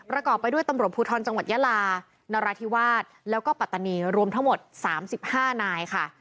ไปด้วยตำรวจภูทรจังหวัดยาลานราธิวาสแล้วก็ปัตตานีรวมทั้งหมด๓๕นายค่ะ